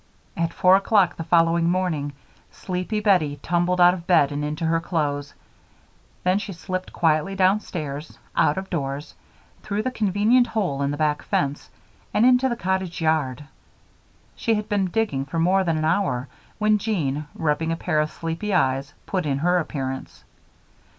At four o'clock the following morning, sleepy Bettie tumbled out of bed and into her clothes. Then she slipped quietly downstairs, out of doors, through the convenient hole in the back fence, and into the cottage yard. She had been digging for more than an hour when Jean, rubbing a pair of sleepy eyes, put in her appearance.